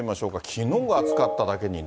きのうは暑かっただけにね。